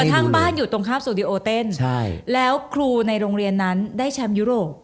ทั้งบ้านอยู่ตรงข้ามสตูดิโอเต้นแล้วครูในโรงเรียนนั้นได้แชมป์ยุโรป